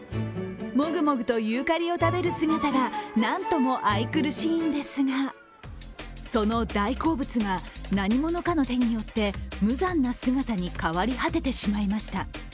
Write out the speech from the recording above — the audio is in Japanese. もぐもぐとユーカリを食べる姿がなんとも愛くるしいんですが、その大好物が何者かの手によって無残な姿に変わり果ててしまいました。